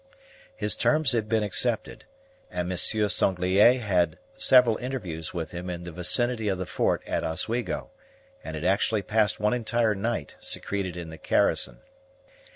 His terms had been accepted, and Monsieur Sanglier had several interviews with him in the vicinity of the fort at Oswego, and had actually passed one entire night secreted in the garrison.